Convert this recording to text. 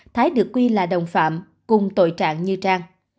thái được quy là đồng phạm cùng tội trạng như trang